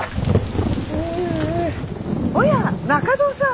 おや中蔵さん。